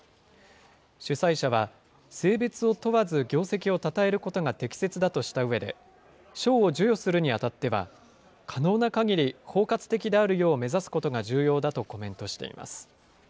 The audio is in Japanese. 主催者は、性別を問わず業績をたたえることが適切だとしたうえで、賞を授与するにあたっては、可能なかぎり包括的であるよう目指すことが重要だとコメントしています。